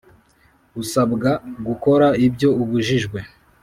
asabwa gukora ibyo abujijwe